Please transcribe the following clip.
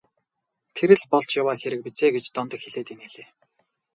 Тэр л болж яваа хэрэг биз ээ гэж Дондог хэлээд инээлээ.